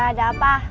ya ada apa